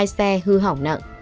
hai xe hư hỏng nặng